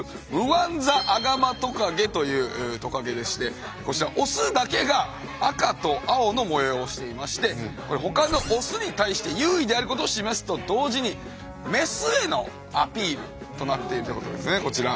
アフリカに生息するこちらオスだけが赤と青の模様をしていましてこれ他のオスに対して優位であることを示すと同時にメスへのアピールとなっているということですねこちら。